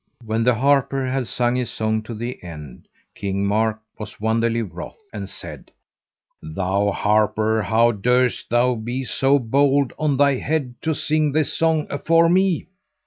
When the harper had sung his song to the end King Mark was wonderly wroth, and said: Thou harper, how durst thou be so bold on thy head to sing this song afore me.